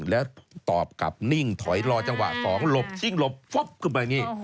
แล้วตอบกลับนิ่งถอยรอจังหวะ๒หลบชิ้นหลบขึ้นมาอย่างนี้